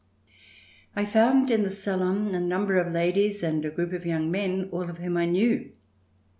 I found in the salon a number of ladies and a group of young men, all of whom I knew.